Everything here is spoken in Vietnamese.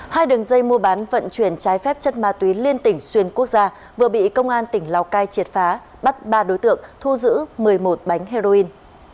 hai đường dây mua bán vận chuyển trái phép chất ma túy liên tỉnh xuyên quốc gia vừa bị công an tỉnh lào cai triệt phá bắt ba đối tượng thu giữ một mươi một bánh heroin